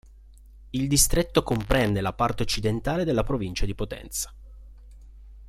Il distretto comprende la parte occidentale della provincia di Potenza.